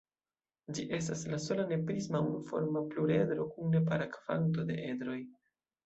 Ĝi estas la sola ne-prisma unuforma pluredro kun nepara kvanto de edroj.